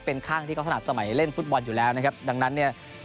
เป็นข้างที่เขาถนัดสมัยเล่นฟุตบอลอยู่แล้วนะครับดังนั้นเนี่ย